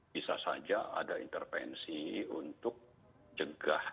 bisa saja ada intervensi untuk jegah